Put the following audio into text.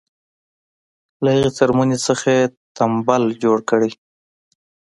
له هغې څرمنې نه یې تمبل جوړ کړی.